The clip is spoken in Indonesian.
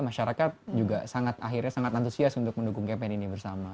masyarakat juga akhirnya sangat antusias untuk mendukung campaign ini bersama